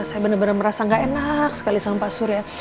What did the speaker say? saya benar benar merasa gak enak sekali sama pak surya